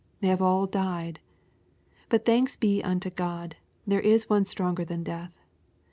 They have all died. But thanks be unto God, there is one stronger than death.